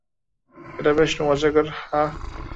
এটা বেশ রোমাঞ্চকর, হাহ?